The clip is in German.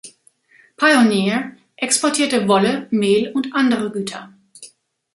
Pioneer exportierte Wolle, Mehl und andere Güter.